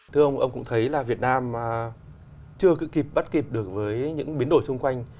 thưa ông ông cũng thấy là việt nam chưa kịp bắt kịp được với những biến đổi xung quanh